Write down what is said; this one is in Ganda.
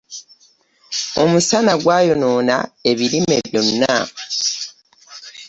Omusana gwayonoona ebirime byonna .